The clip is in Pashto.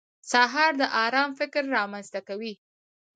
سهار د ارام فکر رامنځته کوي.